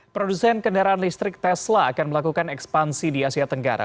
produsen kendaraan listrik tesla akan melakukan ekspansi di asia tenggara